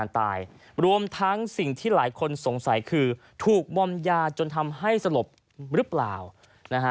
รวมทั้งสิ่งที่หลายคนสงสัยคือถูกมอมยาจนทำให้สลบหรือเปล่านะฮะ